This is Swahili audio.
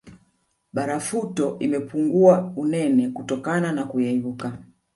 Barafuto imepungua unene kutokana na kuyeyuka